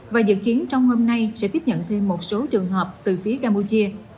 và dự kiến trong hôm nay sẽ tiếp nhận thêm một số trường hợp từ phía campuchia